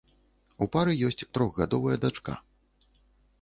У пары ёсць трохгадовая дачка.